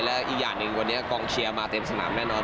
และอีกอย่างหนึ่งวันนี้กองเชียร์มาเต็มสนามแน่นอน